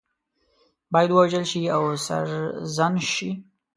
باید ووژل شي او سرزنش شي.